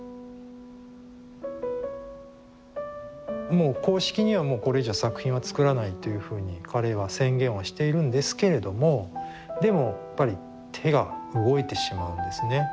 もう公式にはもうこれ以上作品は作らないというふうに彼は宣言はしているんですけれどもでもやっぱり手が動いてしまうんですね。